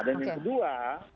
dan yang kedua